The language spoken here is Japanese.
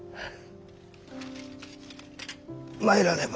参らねば。